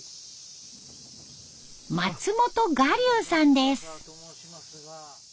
松本雅隆さんです。